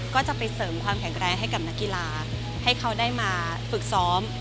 ก็จะไปเสริมความแข็งแรงให้กับนักกีฬาให้เขาได้มาฝึกซ้อม